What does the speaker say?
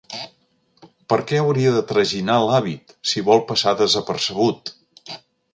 ¿Per què hauria de traginar l'hàbit, si vol passar desapercebut?